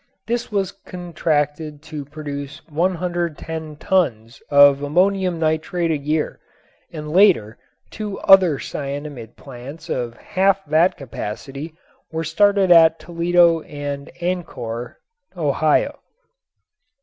This was contracted to produce 110,000 tons of ammonium nitrate a year and later two other cyanamid plants of half that capacity were started at Toledo and Ancor, Ohio.